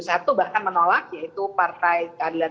satu bahkan menolak yaitu partai keadilan